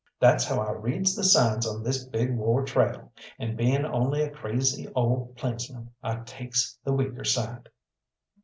That's how I reads the signs on this big war trail, and being only a crazy old plainsman, I takes the weaker side."